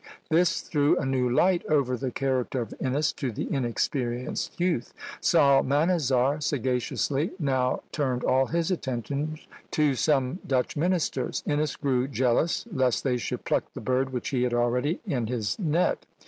This threw a new light over the character of Innes to the inexperienced youth. Psalmanazar sagaciously now turned all his attention to some Dutch ministers; Innes grew jealous lest they should pluck the bird which he had already in his net.